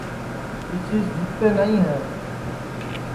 کیسی سے جھوکتے نائی ہے